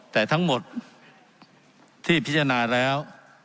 แต่ทั้งหมดที่พิจารณาแล้ว